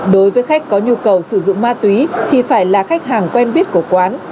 đối với khách có nhu cầu sử dụng ma túy thì phải là khách hàng quen biết của quán